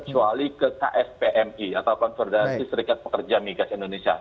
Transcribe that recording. kami sudah menegaskan ke kspmi atau konservasi serikat pekerja migas indonesia